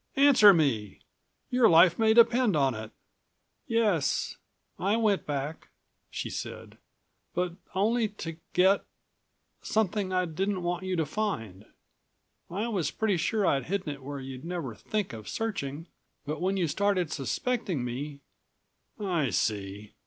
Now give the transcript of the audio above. Answer me! Your life may depend on it." "Yes ... I went back," she said. "But only to get ... something I didn't want you to find. I was pretty sure I'd hidden it where you'd never think of searching, but when you started suspecting me " "I see.